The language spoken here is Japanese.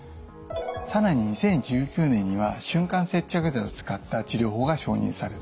更に２０１９年には瞬間接着剤を使った治療法が承認されています。